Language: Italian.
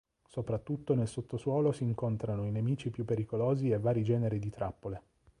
Soprattutto nel sottosuolo si incontrano i nemici più pericolosi e vari generi di trappole.